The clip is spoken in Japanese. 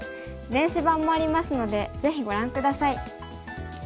電子版もありますのでぜひご覧下さい。